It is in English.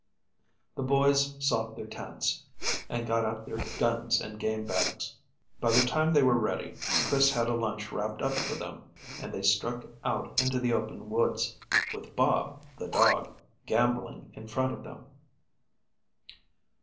The boys sought their tents, and got out their guns and game bags. By the time they were ready Chris had a lunch wrapped up for them, and they struck out into the open woods, with Bob, the dog, gamboling in front of them.